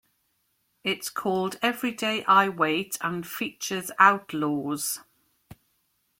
It's called "Everyday I Wait" and features Outlawz.